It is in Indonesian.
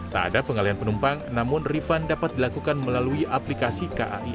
tak ada pengalian penumpang namun refund dapat dilakukan melalui aplikasi kai